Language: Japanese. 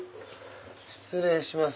失礼します。